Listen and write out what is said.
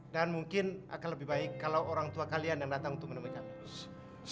dan mungkin akan lebih baik kalau orang tua kalian yang datang untuk menemui kami